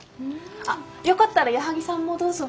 あっよかったら矢作さんもどうぞ。